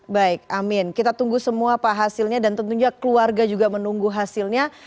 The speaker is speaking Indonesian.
baik amin kita tunggu semua pak hasilnya dan tentunya keluarga juga menunggu hasilnya